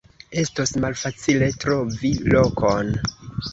Estos malfacile trovi lokon.